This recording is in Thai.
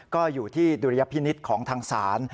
ก็อยู่ที่ดุลยพินิษฐ์ของทางศาล